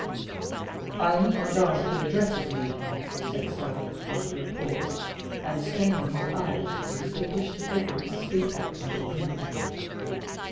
"I need not ask who addresses me," said Surrey, after a pause, and straining his eyes to distinguish the figure of the speaker in the gloom.